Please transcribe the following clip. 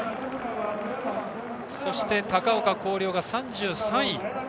そして、高岡向陵が３３位。